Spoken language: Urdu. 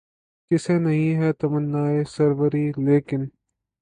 کسے نہیں ہے تمنائے سروری ، لیکن